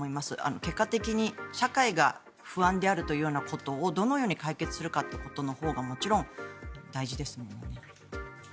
結果的に、社会が不安であるというようなことをどのように解決するかということのほうがもちろん大事ですもんね。